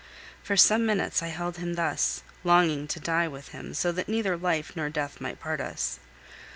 For some minutes I held him thus, longing to die with him, so that neither life nor death might part us.